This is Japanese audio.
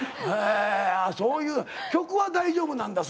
あそういう曲は大丈夫なんだ？